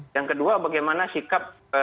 yang kedua bagaimana sikap